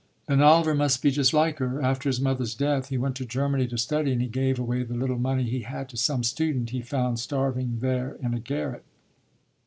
"Then Oliver must be just like her. After his mother's death he went to Germany to study, and he gave away the little money he had to some student he found starving there in a garret."